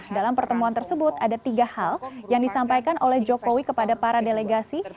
dalam pertemuan tersebut ada tiga hal yang disampaikan oleh jokowi kepada para delegasi